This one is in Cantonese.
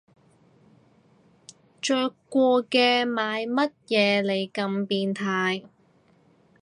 着過嘅買乜嘢你咁變態